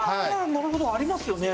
なるほどありますよね。